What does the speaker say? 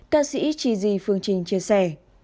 ca sĩ chi di phương trinh chia sẻ